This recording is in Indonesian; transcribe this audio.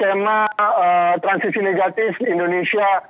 kehilangan golnya kemudian langsung dilakukan counter press oleh pemain timnas indonesia